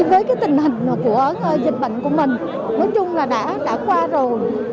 với cái tình hình của dịch bệnh của mình nói chung là đã qua rồi